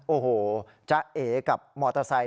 โอ้โหจะเอกับมอเตอร์ไซค